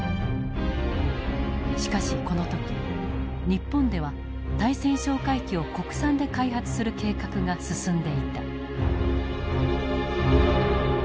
しかしこの時日本では対潜哨戒機を国産で開発する計画が進んでいた。